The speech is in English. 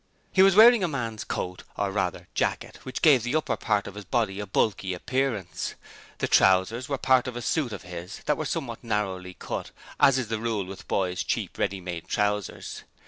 He was wearing a man's coat or rather jacket which gave the upper part of his body a bulky appearance. The trousers were part of a suit of his own, and were somewhat narrowly cut, as is the rule with boys' cheap ready made trousers.